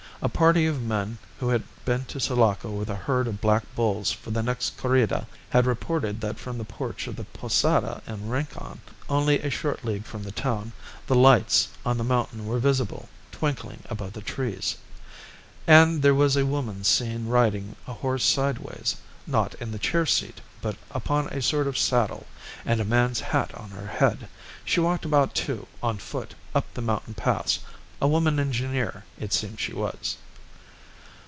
A party of men who had been to Sulaco with a herd of black bulls for the next corrida had reported that from the porch of the posada in Rincon, only a short league from the town, the lights on the mountain were visible, twinkling above the trees. And there was a woman seen riding a horse sideways, not in the chair seat, but upon a sort of saddle, and a man's hat on her head. She walked about, too, on foot up the mountain paths. A woman engineer, it seemed she was.